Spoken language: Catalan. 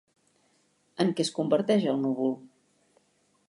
En què es converteix el núvol?